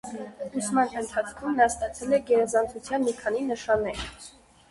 Ուսման ընթացքում նա ստացել է գերազանցության մի քանի նշաններ։